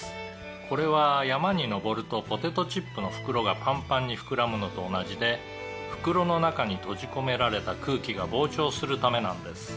「これは山に登るとポテトチップの袋がパンパンに膨らむのと同じで袋の中に閉じ込められた空気が膨張するためなんです」